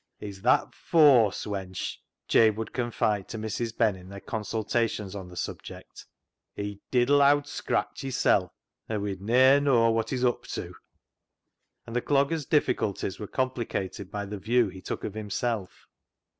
" He's that fawse [cunning], wench," Jabe would confide to Mrs. Ben in their consultations on the subject, " He'd diddle Owd Scratch hissel', an' we ne'er knaw wot he's up to." And the dogger's difficulties were compli cated by the view he took of himself.